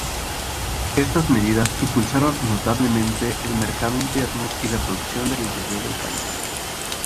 Estas medidas impulsaron notablemente el mercado interno y la producción del interior del país.